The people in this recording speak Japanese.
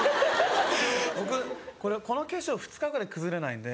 僕この化粧２日ぐらい崩れないんで。